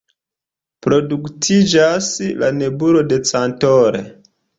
Produktiĝas la “nebulo de "Cantor"”.